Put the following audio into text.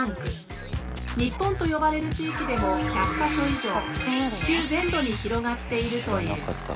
日本と呼ばれる地域でも１００か所以上地球全土に広がっているという。